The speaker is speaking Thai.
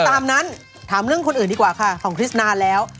ตามนั้นถามเรื่องคนอื่นดีกว่าค่ะของคริสนานแล้ว